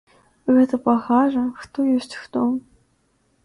Гэта пакажа, хто ёсць хто.